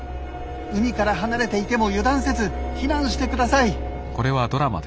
海から離れていても油断せず避難してください」。